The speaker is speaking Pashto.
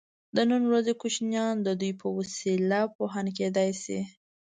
د نن ورځې کوچنیان د دوی په وسیله پوهان کیدای شي.